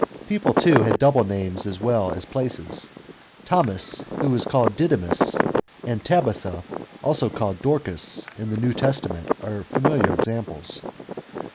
People, too, had double names as well as places. Thomns who was called Didymus, and Tabitha also called Dorcas, in the New Testament, are familiar examples.